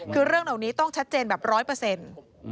คือเรื่องเหล่านี้ต้องชัดเจนแบบร้อยเปอร์เซ็นต์